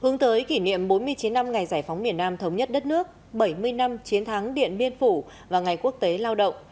nhiệm bốn mươi chín năm ngày giải phóng miền nam thống nhất đất nước bảy mươi năm chiến thắng điện biên phủ và ngày quốc tế lao động